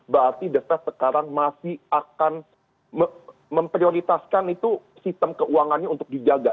berarti the fed sekarang masih akan memprioritaskan itu sistem keuangannya untuk dijaga